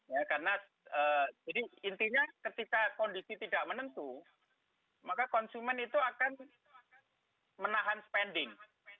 ya karena jadi intinya ketika kondisi tidak menentu maka konsumen itu akan menahan spending